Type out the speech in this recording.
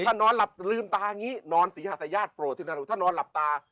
ถ้านอนหลับลืมตาอย่างนี้นอนตีหาศยาติโปรธินารุ